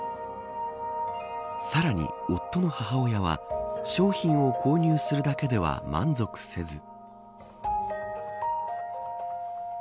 さらに、夫の母親は商品を購入するだけでは満足せず。